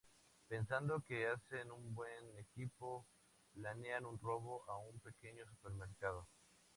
Pensando que hacen un buen equipo, planean un robo a un pequeño supermercado.